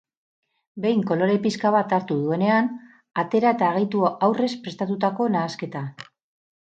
Behin kolore pixka bat hartu duenean, atera eta gehitu aurrez prestatutako nahasketa.